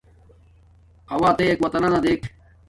ہݸ اتݵَک وطَنݳ دݵک.